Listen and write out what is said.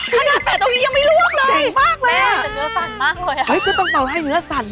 ขนาดแปะตรงนี้ยังไม่ร่วงเลยเจ๋งมากเลยอะแม่แต่เนื้อสั่นมากเลยอะ